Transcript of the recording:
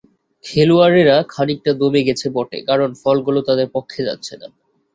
খেলোয়াড়েরা খানিকটা দমে গেছে বটে, কারণ ফলগুলো তাদের পক্ষে যাচ্ছে না।